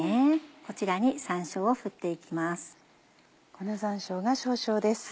こちらに山椒を振って行きます。